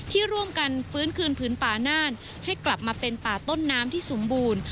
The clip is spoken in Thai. ที่ร่วมกันฟื้นคืนพื้นป่าน่านให้กลับมาเป็นป่าต้นน้ำที่สมบูรณ์